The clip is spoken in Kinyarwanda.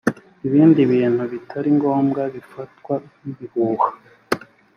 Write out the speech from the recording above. ibindi bintu bitari ngombwa bifatwa nkibihuha